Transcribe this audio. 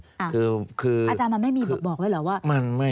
อาจารย์มันไม่มีบอกด้วยหรือว่า